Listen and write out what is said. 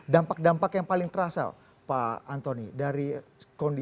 dampak dampak yang paling terasa pak antoni dari kondisi